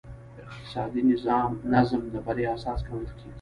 اقتصادي نظم د بریا اساس ګڼل کېږي.